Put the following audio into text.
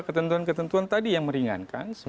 ketentuan ketentuan tadi yang meringankan